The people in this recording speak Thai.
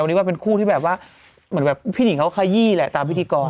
วันนี้ว่าเป็นคู่ที่แบบว่าพี่นิ่งเขาขยี้แหละตามพิธีกร